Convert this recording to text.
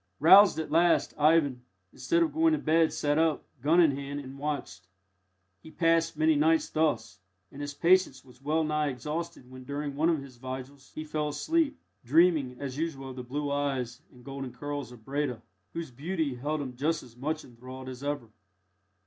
Roused at last, Ivan, instead of going to bed, sat up, gun in hand, and watched. He passed many nights thus, and his patience was well nigh exhausted when, during one of the vigils, he fell asleep, dreaming as usual of the blue eyes and golden curls of Breda, whose beauty held him just as much enthralled as ever.